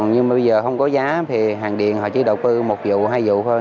nhưng bây giờ không có giá thì hàng điện họ chỉ đầu tư một vụ hai vụ thôi